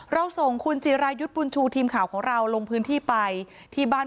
เราส่งคุณจิรายุทธ์บุญชูทีมข่าวของเราลงพื้นที่ไปที่บ้าน